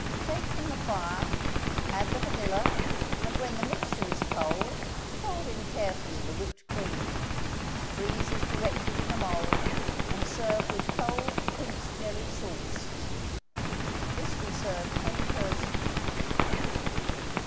Take from the fire, add the vanilla, and when the mixture is cold, fold in carefully the whipped cream. Freeze as directed in a mold, and serve with cold quince jelly sauce. This will serve ten persons.